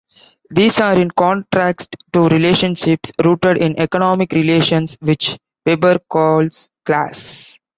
These are in contrast to relationships rooted in economic relations, which Weber calls class.